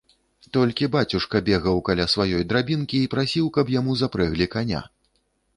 Толькі бацюшка бегаў каля сваёй драбінкі і прасіў, каб яму запрэглі каня.